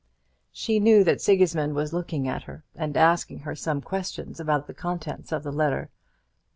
She knew that Sigismund was looking at her, and asking her some question about the contents of the letter.